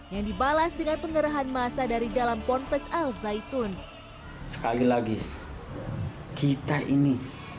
yang dibalas dengan pengerahan masa dari dalam ponpes al zaitun sekali lagi kita ini